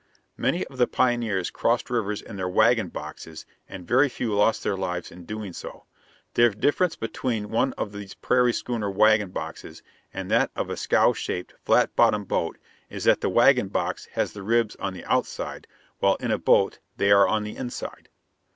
Many of the pioneers crossed rivers in their wagon boxes and very few lost their lives in doing so. The difference between one of these prairie schooner wagon boxes and that of a scow shaped, flat bottomed boat is that the wagon box has the ribs on the outside, while in a boat they are on the inside.